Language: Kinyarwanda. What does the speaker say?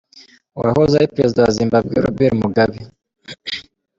Uwahoze ari Perezida wa Zimbabwe, Robert Mugabe.